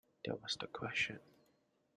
That was the question.